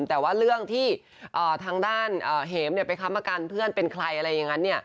แต่ว่าเรื่องที่ทางด้านเห็มไปค้ำประกันเพื่อนเป็นใครอะไรอย่างนั้น